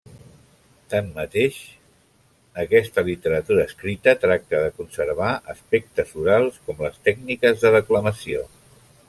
Tanmateix, aquesta literatura escrita tracta de conservar aspectes orals, com les tècniques de declamació.